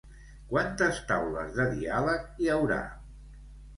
Quantes taules de diàleg hi haurà?